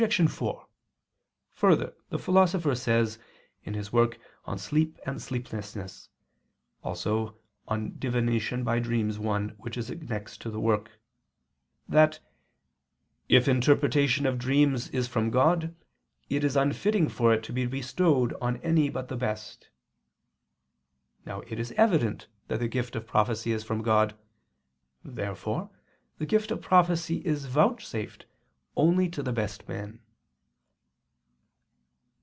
4: Further, the Philosopher says (De Somn. et Vigil. [*Cf. De Divinat. per Somn. i, which is annexed to the work quoted]) that "if interpretation of dreams is from God, it is unfitting for it to be bestowed on any but the best." Now it is evident that the gift of prophecy is from God. Therefore the gift of prophecy is vouchsafed only to the best men.